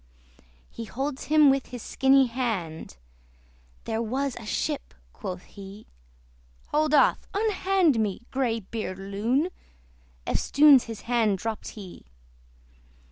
He holds him with his skinny hand, "There was a ship," quoth he. "Hold off! unhand me, grey beard loon!" Eftsoons his hand dropt he.